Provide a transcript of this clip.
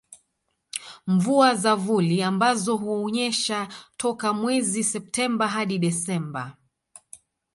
Mvua za vuli ambazo hunyesha toka mwezi Septemba hadi Desemba